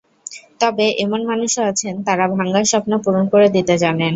তবে এমন মানুষও আছেন তাঁরা ভাঙা স্বপ্ন পূরণ করে দিতে জানেন।